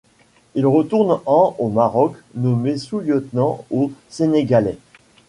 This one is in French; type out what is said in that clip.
Il retourne en au Maroc, nommé sous-lieutenant au sénégalais.